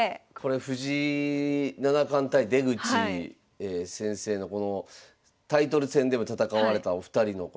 藤井七冠対出口先生のタイトル戦でも戦われたお二人のリベンジをね